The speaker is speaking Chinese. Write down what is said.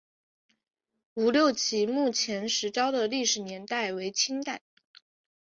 吴六奇墓前石雕的历史年代为清代。